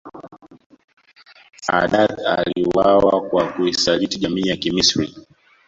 Saadat aliuawa kwa kuisaliti jamii ya Kimisri